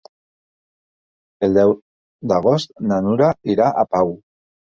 El deu d'agost na Nura irà a Pau.